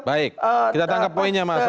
baik kita tangkap poinnya mas